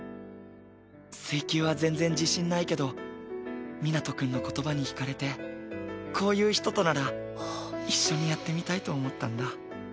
水球は全然自信ないけどみなとくんの言葉に引かれてこういう人となら一緒にやってみたいと思ったんだ。